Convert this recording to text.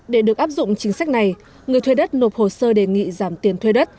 để được áp dụng chính sách này người thuê đất nộp hồ sơ đề nghị giảm tiền thuê đất